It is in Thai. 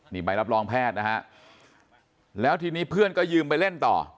นี่ใบรับรองแพทย์นะฮะแล้วทีนี้เพื่อนก็ยืมไปเล่นต่อ